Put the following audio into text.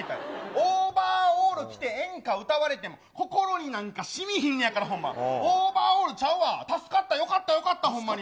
オーバーオール着て演歌歌われても心になんかしみひんねんやんか、オーバーオールちゃうや、助かった、よかったよかった、ほんまに。